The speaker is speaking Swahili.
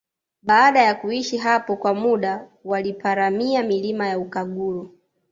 Baada ya kuishi hapo kwa muda waliparamia milima ya Ukaguru